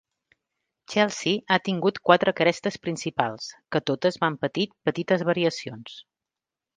Chelsea ha tingut quatre crestes principals, que totes van patir petites variacions.